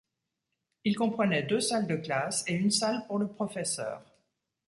Il comprenait deux salles de classe et une salle pour le professeur.